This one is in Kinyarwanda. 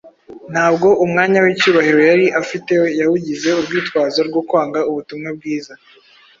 Ntabwo umwanya w’icyubahiro yari afite yawugize urwitwazo rwo kwanga ubutumwa bwiza.